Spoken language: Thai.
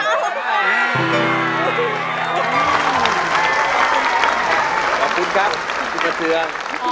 ขอบคุณครับพี่ประเทิง